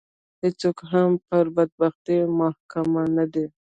هېڅوک هم پر بدبختي محکوم نه دي